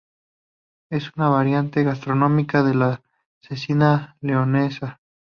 Es una variante gastronómica de la cecina leonesa.